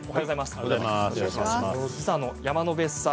実は山野辺さん